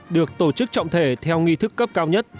được tổ chức trọng thể theo nghi thức cấp cao nhất